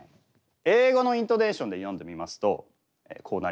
英語のイントネーションで読んでみますとこうなります。